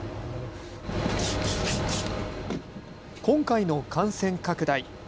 今回の感染拡大。